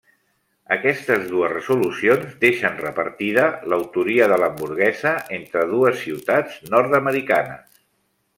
Aquestes dues resolucions deixen repartida l'autoria de l'hamburguesa entre dues ciutats nord-americanes.